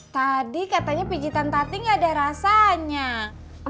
tadi katanya pijitan tati gak ada rasanya